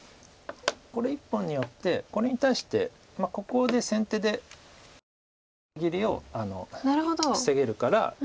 これ１本によってこれに対してここで先手でこの出切りを防げるから。